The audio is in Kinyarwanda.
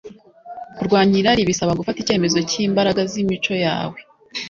Kurwanya irari bisaba gufata icyemezo cyimbaraga zimico yawe